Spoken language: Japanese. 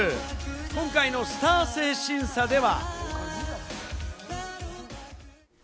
今回のスター性審査では。